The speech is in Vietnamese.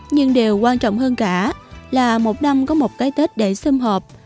nhưng điều quan trọng hơn cả là một năm có một cái tết để xâm hợp